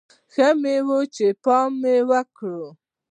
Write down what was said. ښه مې و چې پام مې وکړ.